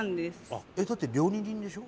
だって料理人でしょ？